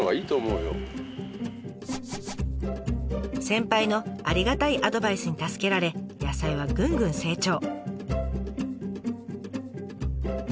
先輩のありがたいアドバイスに助けられ野菜はぐんぐん成長。